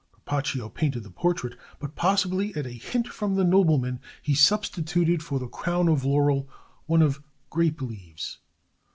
Carpaccio painted the portrait; but, possibly at a hint from the nobleman, he substituted for the crown of laurel one of grape leaves.